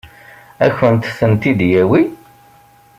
Ad kent-tent-id-yawi?